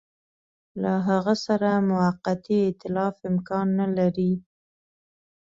له هغه سره موقتي ایتلاف امکان نه لري.